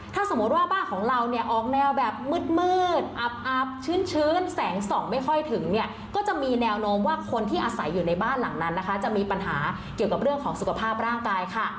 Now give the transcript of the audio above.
ถ้าสมมุติว่าบ้านของเราเนี่ยออกแนวแบบมืดอับชื้นแสงส่องไม่ค่อยถึงเนี่ยก็จะมีแนวโน้มว่าคนที่อาศัยอยู่ในบ้านหลังนั้นนะคะจะมีปัญหาเกี่ยวกับเรื่องของสุขภาพร่างกายค่ะ